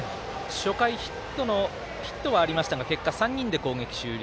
初回ヒットはありましたが結果、３人で攻撃終了。